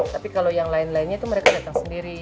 tapi kalau yang lain lainnya itu mereka datang sendiri